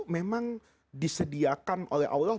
memang disediakan oleh allah